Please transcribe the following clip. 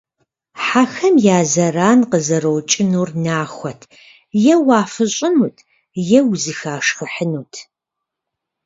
Хьэхэм я зэран къызэрокӀынур нахуэт - е уафыщӏынут, е узэхашхыхьынут.